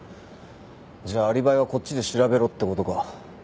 じゃあアリバイはこっちで調べろって事か。